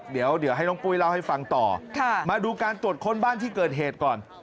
เดี๋ยวให้น้องปุ้ยเล่าให้ฟังต่อมาดูการตรวจค้นบ้านที่เกิดเหตุก่อน